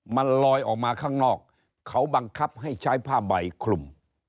มันลอยออกมาข้างนอกเขาบังคับให้ใช้ผ้าใบคลุม